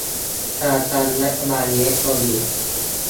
การทำรัฐบาลอิเล็กทรอนิกส์